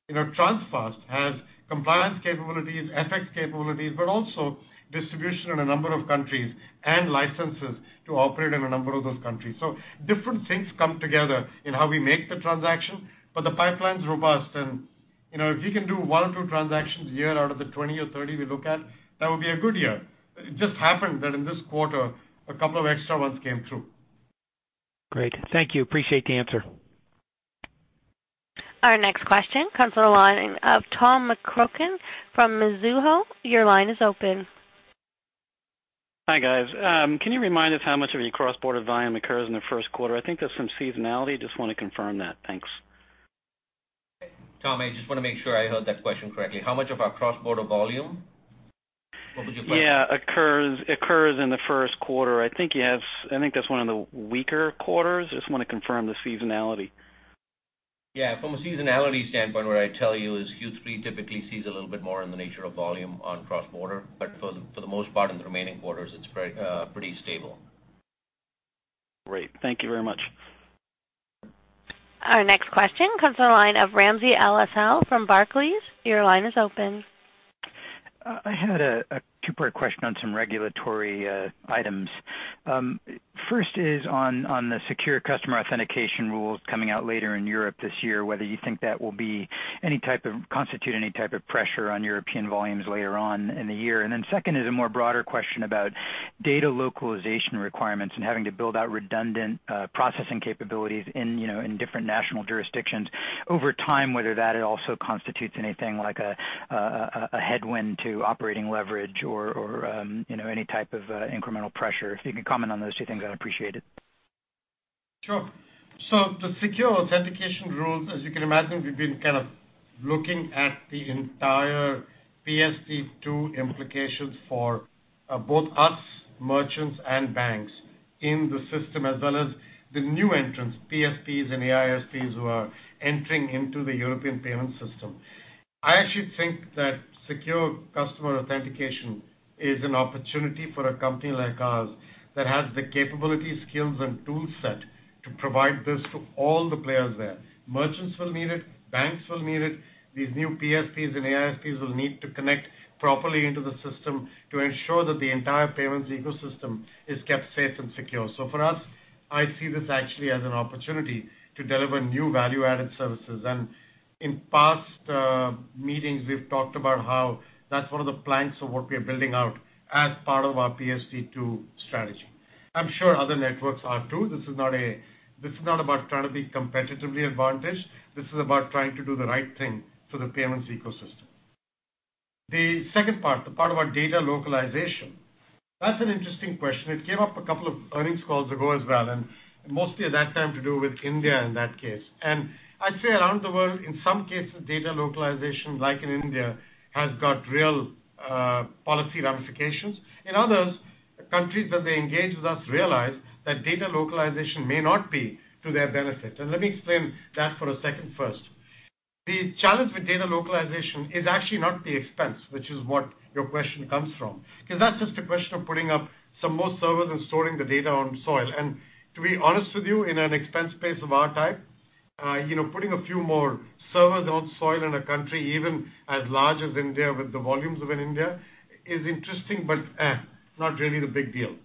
Transfast has compliance capabilities, FX capabilities, but also distribution in a number of countries and licenses to operate in a number of those countries. Different things come together in how we make the transaction, but the pipeline's robust and if we can do one or two transactions a year out of the 20-30 we look at, that would be a good year. It just happened that in this quarter, a couple of extra ones came through. Great. Thank you. Appreciate the answer. Our next question comes from the line of Thomas McCrohan from Mizuho. Your line is open. Hi, guys. Can you remind us how much of your cross-border volume occurs in the first quarter? I think there's some seasonality. Just want to confirm that. Thanks. Thomas, I just want to make sure I heard that question correctly. How much of our cross-border volume? What was your question? Yeah, occurs in the first quarter. I think that's one of the weaker quarters. Just want to confirm the seasonality. Yeah. From a seasonality standpoint, what I'd tell you is Q3 typically sees a little bit more in the nature of volume on cross-border. For the most part, in the remaining quarters, it's pretty stable. Great. Thank you very much. Our next question comes from the line of Ramsey El-Assal from Barclays. Your line is open. I had a two-part question on some regulatory items. First is on the secure customer authentication rules coming out later in Europe this year, whether you think that will constitute any type of pressure on European volumes later on in the year. Second is a more broader question about data localization requirements and having to build out redundant processing capabilities in different national jurisdictions. Over time, whether that also constitutes anything like a headwind to operating leverage or any type of incremental pressure. If you can comment on those two things, I'd appreciate it. Sure. The secure authentication rules, as you can imagine, we've been kind of looking at the entire PSD2 implications for both us, merchants, and banks in the system, as well as the new entrants, PSPs and AISPs, who are entering into the European payment system. I actually think that secure customer authentication is an opportunity for a company like ours that has the capability, skills, and tool set to provide this to all the players there. Merchants will need it, banks will need it. These new PSPs and AISPs will need to connect properly into the system to ensure that the entire payments ecosystem is kept safe and secure. For us, I see this actually as an opportunity to deliver new value-added services. In past meetings, we've talked about how that's one of the planks of what we are building out as part of our PSD2 strategy. I'm sure other networks are, too. This is not about trying to be competitively advantaged. This is about trying to do the right thing for the payments ecosystem. The second part, the part about data localization, that's an interesting question. It came up a couple of earnings calls ago as well, and mostly at that time to do with India in that case. I'd say around the world, in some cases, data localization, like in India, has got real policy ramifications. In others, countries that they engage with us realize that data localization may not be to their benefit, and let me explain that for a second first. The challenge with data localization is actually not the expense, which is what your question comes from, because that's just a question of putting up some more servers and storing the data on soil. To be honest with you, in an expense base of our type, putting a few more servers on soil in a country even as large as India with the volumes within India is interesting, but not really the big deal.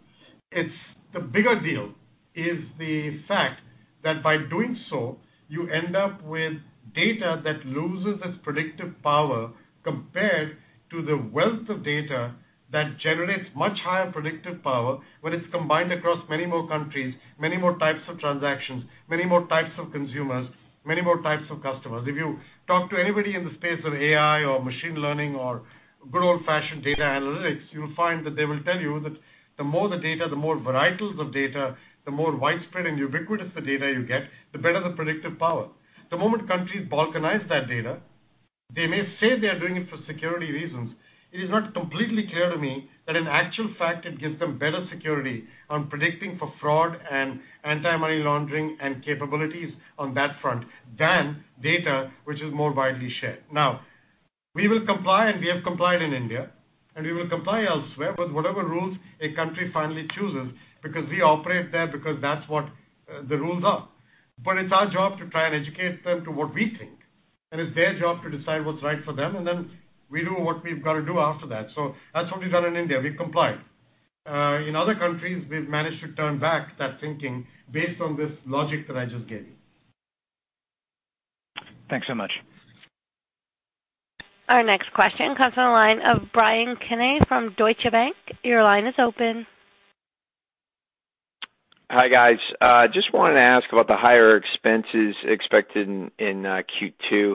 The bigger deal is the fact that by doing so, you end up with data that loses its predictive power compared to the wealth of data that generates much higher predictive power when it's combined across many more countries, many more types of transactions, many more types of consumers, many more types of customers. If you talk to anybody in the space of AI or machine learning or good old-fashioned data analytics, you'll find that they will tell you that the more the data, the more varietals of data, the more widespread and ubiquitous the data you get, the better the predictive power. The moment countries balkanize that data, they may say they are doing it for security reasons. It is not completely clear to me that in actual fact it gives them better security on predicting for fraud and anti-money laundering and capabilities on that front than data which is more widely shared. We will comply, and we have complied in India, and we will comply elsewhere with whatever rules a country finally chooses because we operate there because that's what the rules are. It's our job to try and educate them to what we think, and it's their job to decide what's right for them, and then we do what we've got to do after that. That's what we've done in India. We've complied. In other countries, we've managed to turn back that thinking based on this logic that I just gave you. Thanks so much. Our next question comes on the line of Bryan Keane from Deutsche Bank. Your line is open. Hi, guys. Just wanted to ask about the higher expenses expected in Q2.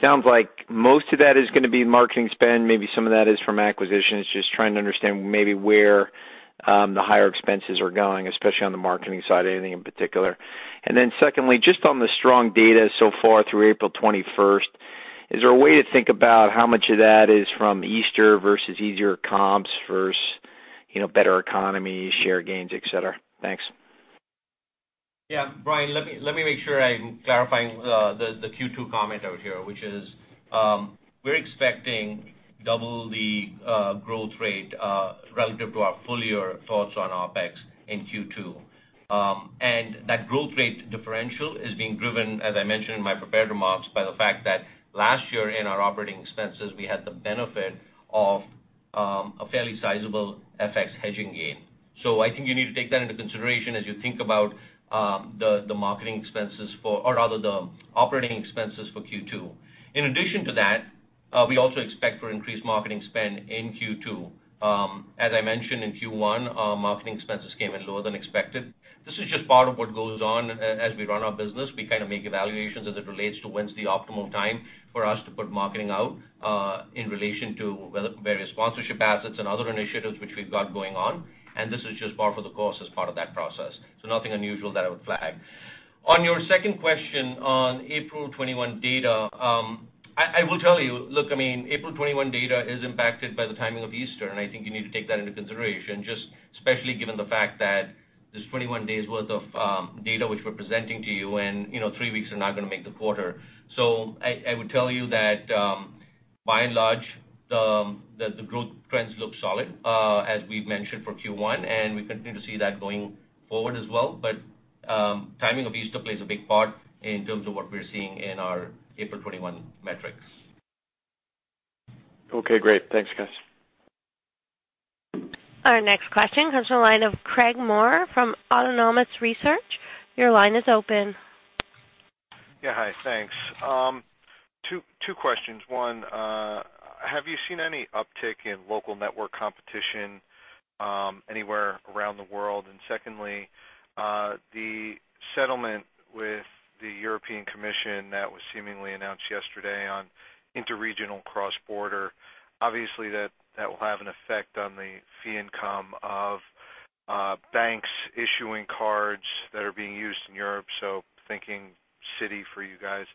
Sounds like most of that is gonna be marketing spend, maybe some of that is from acquisitions. Just trying to understand maybe where the higher expenses are going, especially on the marketing side, anything in particular. Secondly, just on the strong data so far through April 21st, is there a way to think about how much of that is from Easter versus easier comps versus better economy, share gains, et cetera? Thanks. Yeah, Bryan, let me make sure I'm clarifying the Q2 comment out here, which is we're expecting double the growth rate relative to our earlier thoughts on OpEx in Q2. That growth rate differential is being driven, as I mentioned in my prepared remarks, by the fact that last year in our operating expenses, we had the benefit of a fairly sizable FX hedging gain. I think you need to take that into consideration as you think about the marketing expenses or rather the operating expenses for Q2. In addition to that, we also expect for increased marketing spend in Q2. As I mentioned in Q1, our marketing expenses came in lower than expected. This is just part of what goes on as we run our business. We kind of make evaluations as it relates to when's the optimal time for us to put marketing out in relation to various sponsorship assets and other initiatives which we've got going on, this is just par for the course as part of that process. Nothing unusual that I would flag. On your second question on April 21 data, I will tell you, look, April 21 data is impacted by the timing of Easter, I think you need to take that into consideration, just especially given the fact that there's 21 days worth of data which we're presenting to you, three weeks are not gonna make the quarter. I would tell you that by and large, the growth trends look solid as we've mentioned for Q1, we continue to see that going forward as well. Timing of Easter plays a big part in terms of what we're seeing in our April 21 metrics. Okay, great. Thanks, guys. Our next question comes from the line of Craig Maurer from Autonomous Research. Your line is open. Hi. Thanks. Two questions. One, have you seen any uptick in local network competition anywhere around the world? Secondly, the settlement The European Commission that was seemingly announced yesterday on interregional cross-border. Obviously, that will have an effect on the fee income of banks issuing cards that are being used in Europe. So thinking Citi for you guys.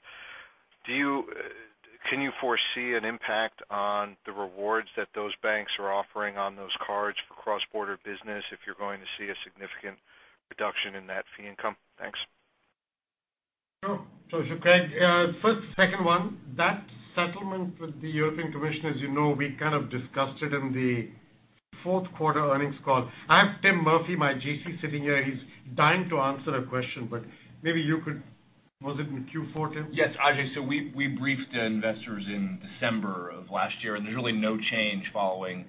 Can you foresee an impact on the rewards that those banks are offering on those cards for cross-border business if you're going to see a significant reduction in that fee income? Thanks. Sure. Craig, first, the second one, that settlement with the European Commission, as you know, we kind of discussed it in the fourth quarter earnings call. I have Timothy Murphy, my GC, sitting here, he's dying to answer a question, but maybe you could Was it in Q4, Tim? Yes, Ajay. We briefed investors in December of last year, there's really no change following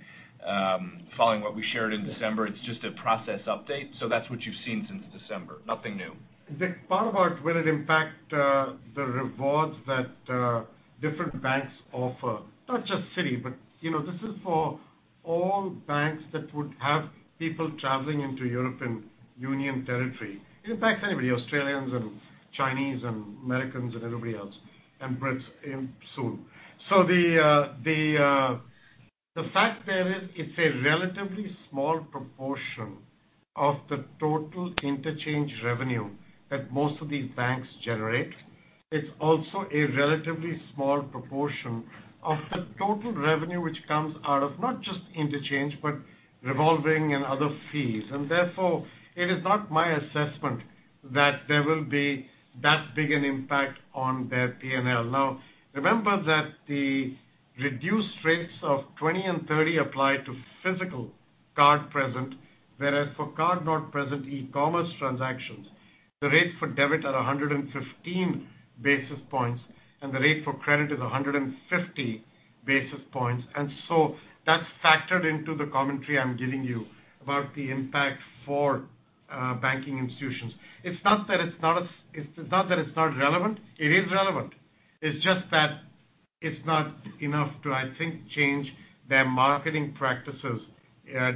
what we shared in December. It's just a process update. That's what you've seen since December. Nothing new. The part about will it impact the rewards that different banks offer. Not just Citi, but this is for all banks that would have people traveling into European Union territory. It impacts anybody, Australians and Chinese and Americans and everybody else, and Brits soon. The fact there is it's a relatively small proportion of the total interchange revenue that most of these banks generate. It's also a relatively small proportion of the total revenue, which comes out of not just interchange, but revolving and other fees. Therefore, it is not my assessment that there will be that big an impact on their P&L. Now, remember that the reduced rates of 20-30 apply to physical card present, whereas for card not present e-commerce transactions, the rate for debit are 115 basis points, and the rate for credit is 150 basis points. That's factored into the commentary I'm giving you about the impact for banking institutions. It's not that it's not relevant. It is relevant. It's just that it's not enough to, I think, change their marketing practices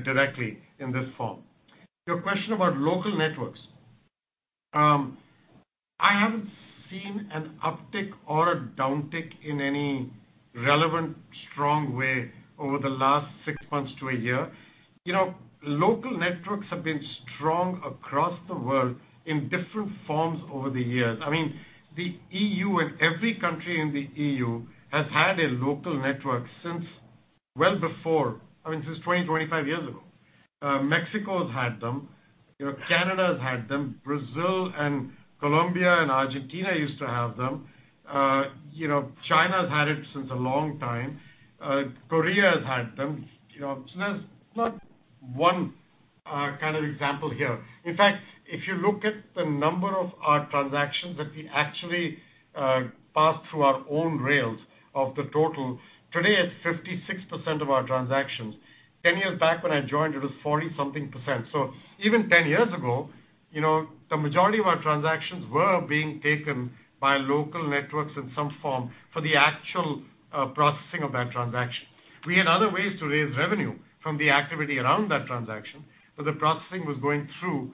directly in this form. Your question about local networks. I haven't seen an uptick or a downtick in any relevant, strong way over the last six months to a year. Local networks have been strong across the world in different forms over the years. I mean, the EU and every country in the EU has had a local network since well before, since 20, 25 years ago. Mexico's had them, Canada's had them. Brazil and Colombia and Argentina used to have them. China's had it since a long time. Korea's had them. There's not one kind of example here. In fact, if you look at the number of our transactions that we actually pass through our own rails of the total, today it's 56% of our transactions. 10 years back when I joined, it was 40-something percent. Even 10 years ago, the majority of our transactions were being taken by local networks in some form for the actual processing of that transaction. We had other ways to raise revenue from the activity around that transaction, but the processing was going through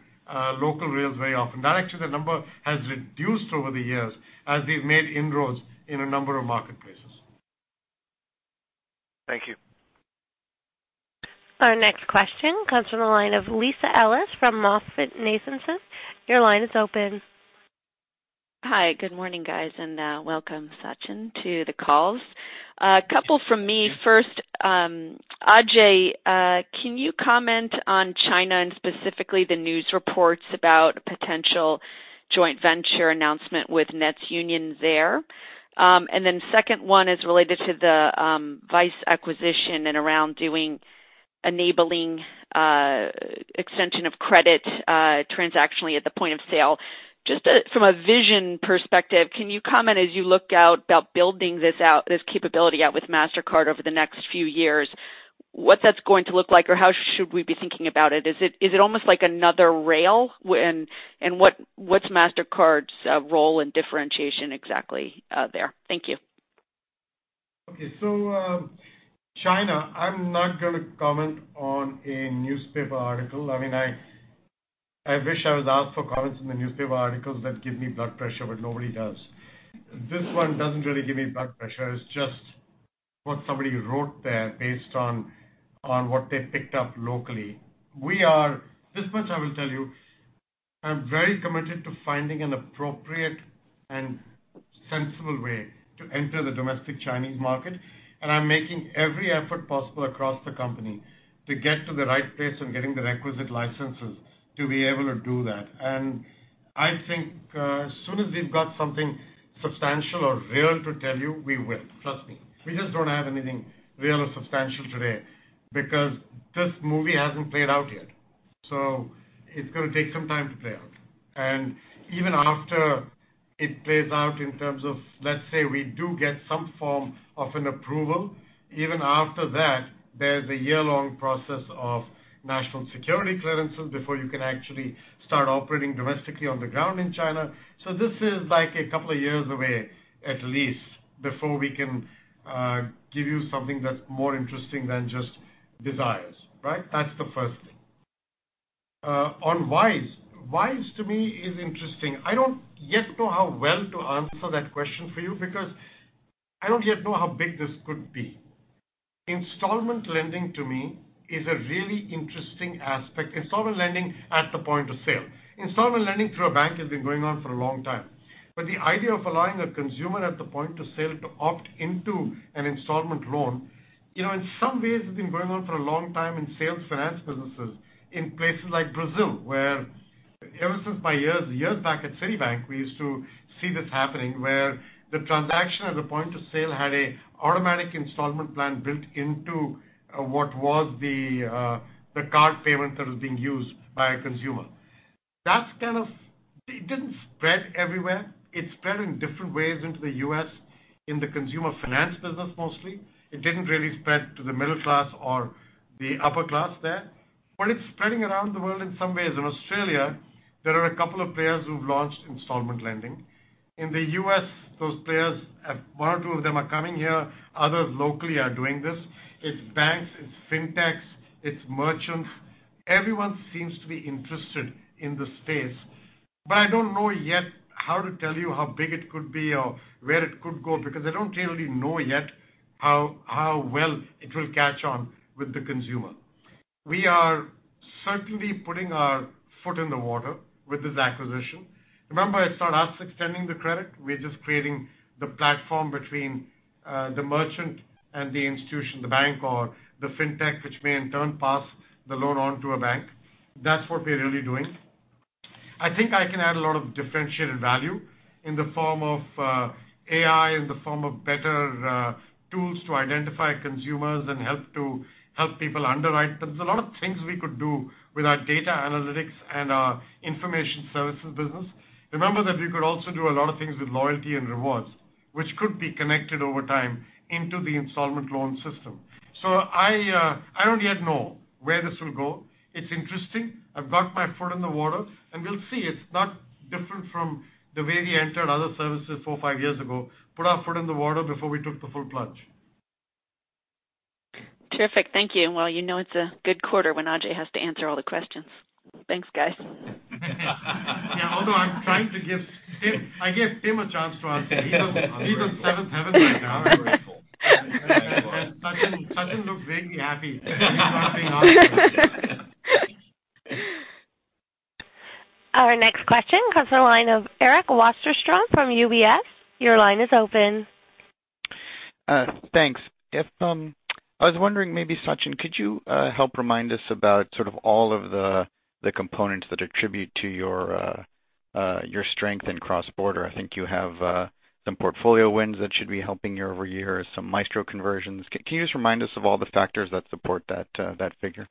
local rails very often. That actually the number has reduced over the years as we've made inroads in a number of marketplaces. Thank you. Our next question comes from the line of Lisa Ellis from MoffettNathanson. Your line is open. Hi, good morning, guys. Welcome Sachin, to the calls. A couple from me. First, Ajay, can you comment on China and specifically the news reports about potential joint venture announcement with NetsUnion there? Second one is related to the Vyze acquisition and around doing enabling extension of credit transactionally at the point of sale. Just from a vision perspective, can you comment as you look out about building this out, this capability out with Mastercard over the next few years. What that's going to look like, or how should we be thinking about it? Is it almost like another rail, and what's Mastercard's role in differentiation exactly there? Thank you. Okay. China, I'm not going to comment on a newspaper article. I wish I was asked for comments on the newspaper articles that give me blood pressure, but nobody does. This one doesn't really give me blood pressure. It's just what somebody wrote there based on what they picked up locally. This much I will tell you. I'm very committed to finding an appropriate and sensible way to enter the domestic Chinese market, and I'm making every effort possible across the company to get to the right place and getting the requisite licenses to be able to do that. I think as soon as we've got something substantial or real to tell you, we will. Trust me. We just don't have anything real or substantial today because this movie hasn't played out yet. It's going to take some time to play out. Even after it plays out in terms of, let's say, we do get some form of an approval, even after that, there's a year-long process of national security clearances before you can actually start operating domestically on the ground in China. This is like a couple of years away, at least, before we can give you something that's more interesting than just desires. Right? That's the first thing. On Wise. Wise to me is interesting. I don't yet know how well to answer that question for you because I don't yet know how big this could be. Installment lending to me is a really interesting aspect. Installment lending at the point of sale. Installment lending through a bank has been going on for a long time, but the idea of allowing a consumer at the point of sale to opt into an installment loan, in some ways has been going on for a long time in sales finance businesses in places like Brazil, where ever since my years back at Citibank, we used to see this happening where the transaction at the point of sale had an automatic installment plan built into what was the card payment that was being used by a consumer. It didn't spread everywhere. It spread in different ways into the U.S. in the consumer finance business mostly. It didn't really spread to the middle class or the upper class there. It's spreading around the world in some ways. In Australia, there are a couple of players who've launched installment lending. In the U.S., those players, one or two of them are coming here, others locally are doing this. It's banks, it's fintechs, it's merchants. Everyone seems to be interested in the space. I don't know yet how to tell you how big it could be or where it could go, because I don't really know yet how well it will catch on with the consumer. We are certainly putting our foot in the water with this acquisition. Remember, it's not us extending the credit. We're just creating the platform between the merchant and the institution, the bank or the fintech, which may in turn pass the loan on to a bank. That's what we're really doing. I think I can add a lot of differentiated value in the form of AI, in the form of better tools to identify consumers and help people underwrite. There's a lot of things we could do with our data analytics and our information services business. Remember that we could also do a lot of things with loyalty and rewards, which could be connected over time into the installment loan system. I don't yet know where this will go. It's interesting. I've got my foot in the water and we'll see. It's not different from the way we entered other services four or five years ago. Put our foot in the water before we took the full plunge. Terrific. Thank you. Well, you know it's a good quarter when Ajay has to answer all the questions. Thanks, guys. Yeah. Although I gave Tim a chance to answer. He's in seventh heaven right now. I'm grateful. Sachin looks very happy. He's not saying anything. Our next question comes from the line of Eric Wasserstrom from UBS. Your line is open Thanks. I was wondering, maybe Sachin, could you help remind us about sort of all of the components that attribute to your strength in cross-border? I think you have some portfolio wins that should be helping you over years, some Maestro conversions. Can you just remind us of all the factors that support that figure?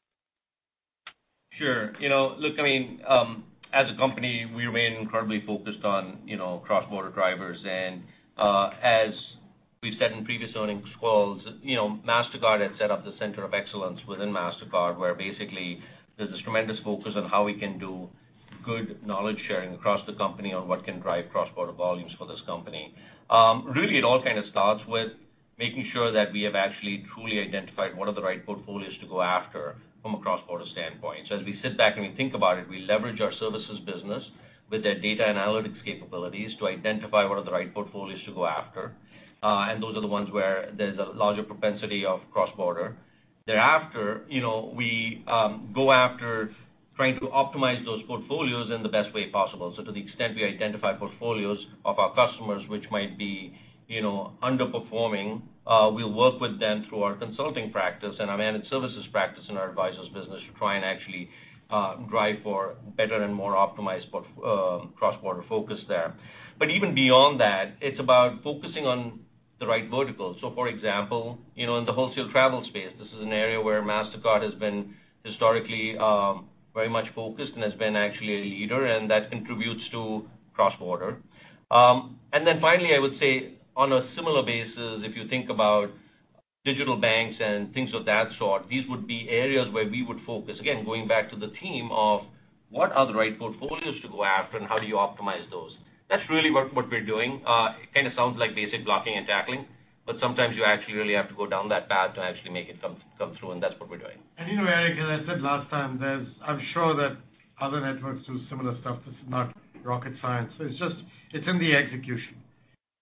Sure. Look, as a company, we remain incredibly focused on cross-border drivers. As we've said in previous earnings calls, Mastercard had set up the center of excellence within Mastercard, where basically there's this tremendous focus on how we can do good knowledge-sharing across the company on what can drive cross-border volumes for this company. It all kind of starts with making sure that we have actually truly identified what are the right portfolios to go after from a cross-border standpoint. As we sit back and we think about it, we leverage our services business with their data analytics capabilities to identify what are the right portfolios to go after. Those are the ones where there's a larger propensity of cross-border. Thereafter, we go after trying to optimize those portfolios in the best way possible. To the extent we identify portfolios of our customers which might be underperforming, we'll work with them through our consulting practice and our managed services practice in our advisors business to try and actually drive for better and more optimized cross-border focus there. Even beyond that, it's about focusing on the right verticals. For example, in the wholesale travel space, this is an area where Mastercard has been historically very much focused and has been actually a leader, and that contributes to cross-border. Finally, I would say on a similar basis, if you think about digital banks and things of that sort, these would be areas where we would focus. Again, going back to the theme of what are the right portfolios to go after and how do you optimize those? That's really what we're doing. It kind of sounds like basic blocking and tackling, but sometimes you actually really have to go down that path to actually make it come through, and that's what we're doing. You know Eric, as I said last time, I'm sure that other networks do similar stuff. This is not rocket science. It's in the execution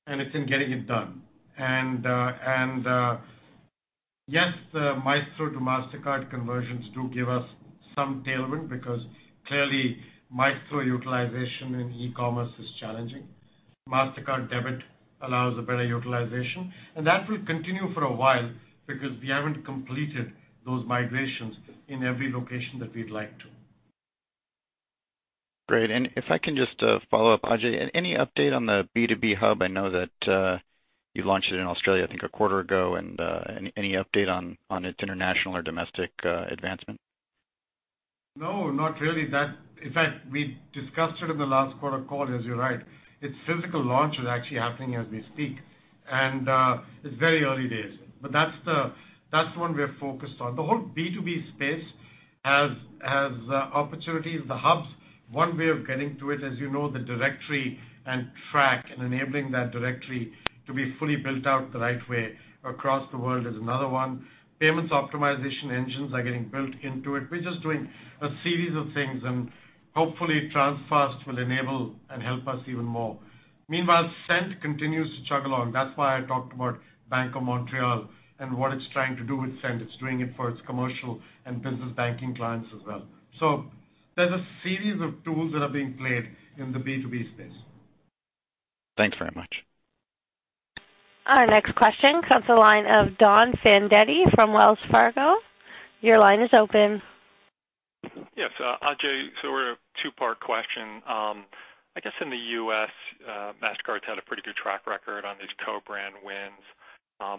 and it's in getting it done. Yes, Maestro to Mastercard conversions do give us some tailwind because clearly Maestro utilization in e-commerce is challenging. Mastercard debit allows a better utilization, and that will continue for a while because we haven't completed those migrations in every location that we'd like to. Great. If I can just follow up, Ajay, any update on the B2B hub? I know that you launched it in Australia, I think a quarter ago, and any update on its international or domestic advancement? No, not really. In fact, we discussed it in the last quarter call, as you're right. Its physical launch is actually happening as we speak, and it's very early days. That's the one we are focused on. The whole B2B space has opportunities. The hubs. One way of getting to it, as you know, the directory and track and enabling that directory to be fully built out the right way across the world is another one. Payments optimization engines are getting built into it. We're just doing a series of things, and hopefully Transfast will enable and help us even more. Meanwhile, Send continues to chug along. That's why I talked about Bank of Montreal and what it's trying to do with Send. It's doing it for its commercial and business banking clients as well. There's a series of tools that are being played in the B2B space. Thanks very much. Our next question comes the line of Donald Fandetti from Wells Fargo. Your line is open. Yes, Ajay. We're a two-part question. I guess in the U.S., Mastercard's had a pretty good track record on these co-brand wins.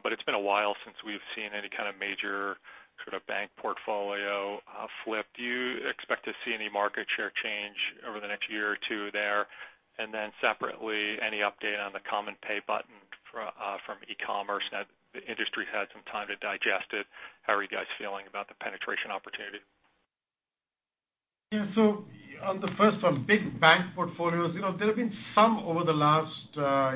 It's been a while since we've seen any kind of major sort of bank portfolio flip. Do you expect to see any market share change over the next year or two there? Then separately, any update on the common pay button from e-commerce now that the industry had some time to digest it? How are you guys feeling about the penetration opportunity? Yeah. On the first one, big bank portfolios, there have been some over the last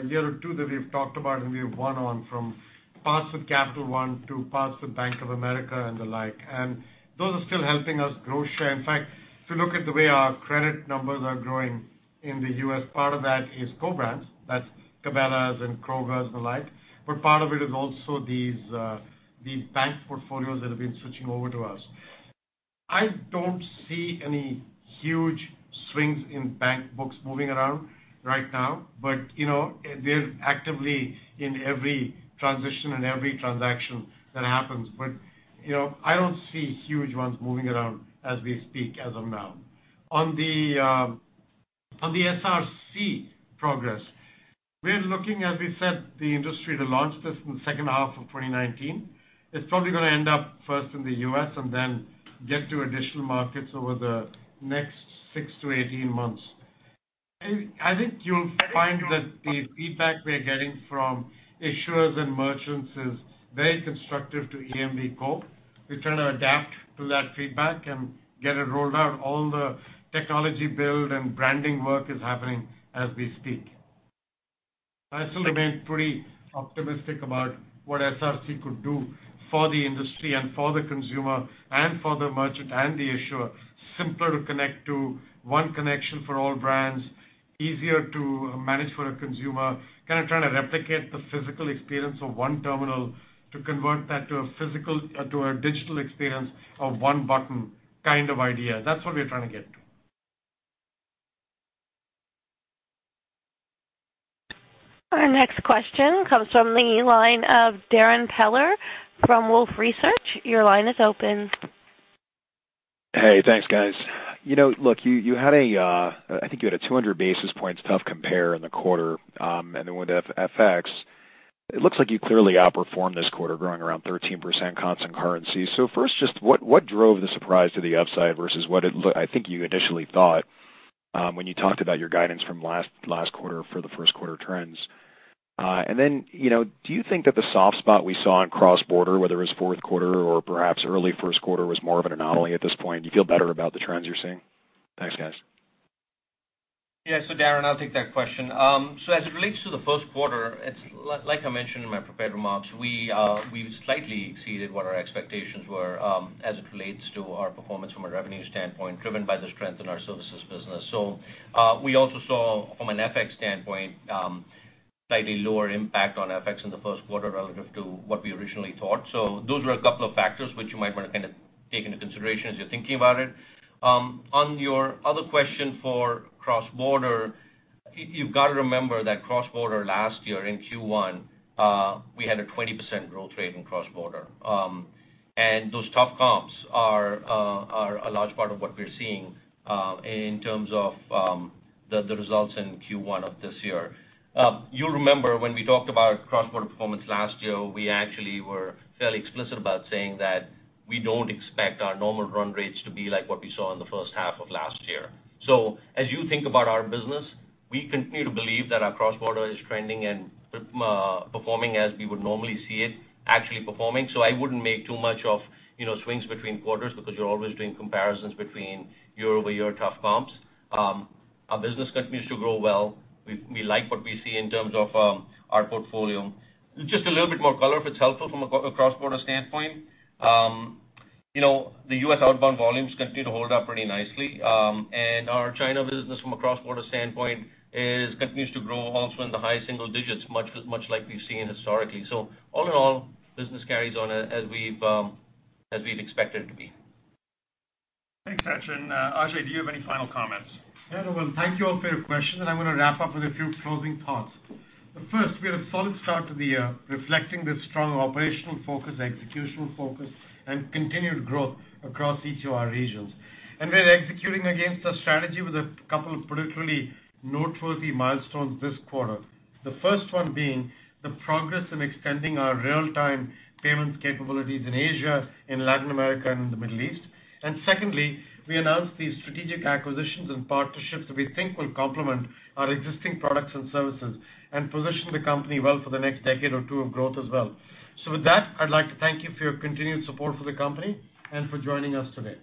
year or two that we've talked about and we have won on, from parts with Capital One to parts with Bank of America and the like. Those are still helping us grow share. In fact, if you look at the way our credit numbers are growing in the U.S., part of that is co-brands, that's Cabela's and Kroger's and the like. Part of it is also these bank portfolios that have been switching over to us. I don't see any huge swings in bank books moving around right now. They're actively in every transition and every transaction that happens. I don't see huge ones moving around as we speak as of now. On the SRC progress, we're looking, as we said, the industry to launch this in the second half of 2019. It's probably going to end up first in the U.S. and then get to additional markets over the next 6 to 18 months. I think you'll find that the feedback we're getting from issuers and merchants is very constructive to EMVCo. We're trying to adapt to that feedback and get it rolled out. All the technology build and branding work is happening as we speak. I still remain pretty optimistic about what SRC could do for the industry and for the consumer and for the merchant and the issuer. Simpler to connect to, one connection for all brands, easier to manage for a consumer, kind of trying to replicate the physical experience of one terminal to convert that to a digital experience of one button kind of idea. That's what we're trying to get to. Our next question comes from the line of Darrin Peller from Wolfe Research. Your line is open. Hey, thanks, guys. Look, I think you had a 200 basis points tough compare in the quarter. With FX, it looks like you clearly outperformed this quarter, growing around 13% constant currency. First, just what drove the surprise to the upside versus what I think you initially thought when you talked about your guidance from last quarter for the first quarter trends? Then, do you think that the soft spot we saw in cross-border, whether it was fourth quarter or perhaps early first quarter, was more of an anomaly at this point? Do you feel better about the trends you're seeing? Thanks, guys. Yeah. Darrin, I'll take that question. As it relates to the first quarter, like I mentioned in my prepared remarks, we've slightly exceeded what our expectations were as it relates to our performance from a revenue standpoint, driven by the strength in our services business. We also saw from an FX standpoint, slightly lower impact on FX in the first quarter relative to what we originally thought. Those were a couple of factors which you might want to take into consideration as you're thinking about it. On your other question for cross-border, you've got to remember that cross-border last year in Q1, we had a 20% growth rate in cross-border. Those tough comps are a large part of what we're seeing in terms of the results in Q1 of this year. You'll remember when we talked about cross-border performance last year, we actually were fairly explicit about saying that we don't expect our normal run rates to be like what we saw in the first half of last year. As you think about our business, we continue to believe that our cross-border is trending and performing as we would normally see it actually performing. I wouldn't make too much of swings between quarters because you're always doing comparisons between year-over-year tough comps. Our business continues to grow well. We like what we see in terms of our portfolio. Just a little bit more color, if it's helpful, from a cross-border standpoint. The U.S. outbound volumes continue to hold up pretty nicely. Our China business from a cross-border standpoint continues to grow also in the high single digits, much like we've seen historically. All in all, business carries on as we've expected it to be. Thanks, Sachin. Ajay, do you have any final comments? Well, thank you all for your questions. I'm going to wrap up with a few closing thoughts. First, we had a solid start to the year reflecting the strong operational focus, executional focus and continued growth across each of our regions. We're executing against the strategy with a couple of particularly noteworthy milestones this quarter. The first one being the progress in extending our real-time payments capabilities in Asia, in Latin America, and in the Middle East. Secondly, we announced these strategic acquisitions and partnerships that we think will complement our existing products and services and position the company well for the next decade or two of growth as well. With that, I'd like to thank you for your continued support for the company and for joining us today.